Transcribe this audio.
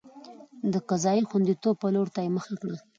د قضایي خوندیتوب پلور ته یې مخه کړه.